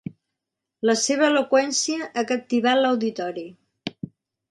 La seva eloqüència ha captivat l'auditori.